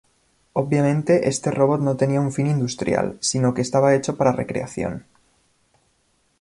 Obviamente, este robot no tenía un fin industrial, sino que estaba hecho para recreación.